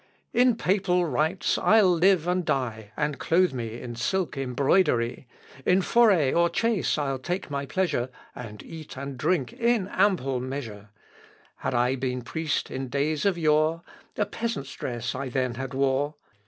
In papal rites I'll live and die, And clothe me in silk embroidery; In foray or chace I'll take my pleasure, And eat and drink in ample measure; Had I been priest in days of yore, A peasant's dress I then had wore.